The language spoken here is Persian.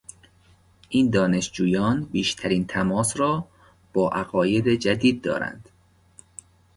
این دانشجویان بیشترین تماس را با عقاید جدید دارند.